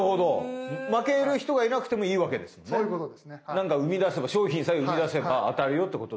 何かうみだせば商品さえうみだせば当たるよっていうことだ。